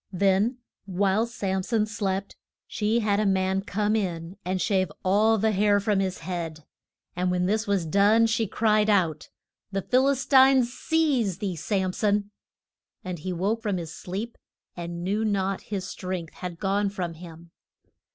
Then while Sam son slept, she had a man come in and shave all the hair from his head. And when this was done she cried out, The Phil is tines seize thee, Sam son. [Illustration: SAM SON AND DE LI LAH.] And he woke from his sleep, and knew not his strength had gone from him.